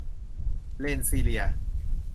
เรนส์ซีเลียร์